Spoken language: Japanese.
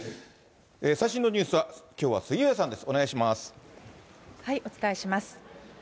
最新のニュースはきょうは杉上さんです、お伝えします。